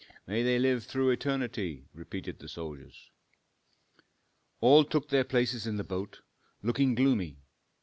"May they live through eternity!" repeated the soldiers. All took their places in the boat, looking gloomy.